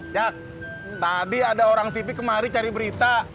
jack tadi ada orang tipi kemari cari berita